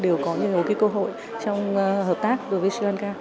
đều có nhiều cơ hội trong hợp tác đối với sri lanka